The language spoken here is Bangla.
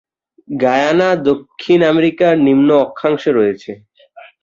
গায়ানা দক্ষিণ আমেরিকার নিম্ন অক্ষাংশে রয়েছে।